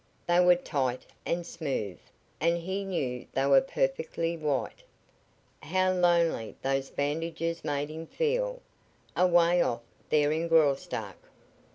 They were tight and smooth, and he knew they were perfectly white. How lonely those bandages made him feel, away off there in Graustark!